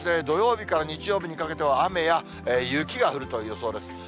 土曜日から日曜日にかけては、雨や雪が降るという予想です。